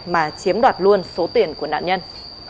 mà chiếm đoạt luôn số tiền của nạn nhân